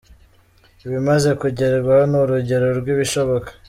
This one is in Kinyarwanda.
ibimaze kugerwaho ni urugero rw’ibishoboka.